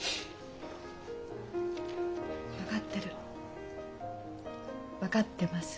分かってる分かってます。